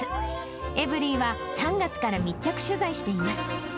エブリィは３月から密着取材しています。